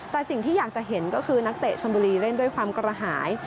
แต่สิ่งที่อยากจะเห็นก็คือนักเตะชนบุรีเล่นด้วยความกระหาย